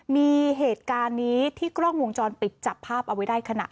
มีเหตุการณ์นี้ที่กล้องวงจรปิดจับภาพเอาไว้ได้ขณะ